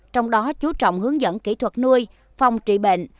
trong đó chú trọng hướng dẫn kỹ thuật nuôi phòng trị bệnh